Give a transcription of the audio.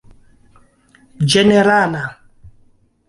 ĝenerala